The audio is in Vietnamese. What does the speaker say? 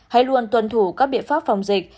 hãy luôn tuân thủ các biện pháp phòng dịch